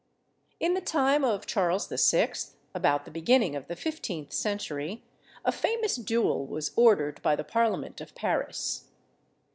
In the time of Charles VI., about the beginning of the fifteenth century, a famous duel was ordered by the parliament of Paris.